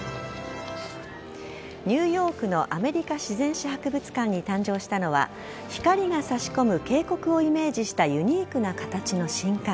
ニューヨークのアメリカ自然史博物館に誕生したのは光が差し込む渓谷をイメージしたユニークな形の新館。